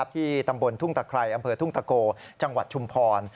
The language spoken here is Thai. ที่ตำบลทุ่งตะไครอำเภอทุ่งตะโกจังหวัดชุมพร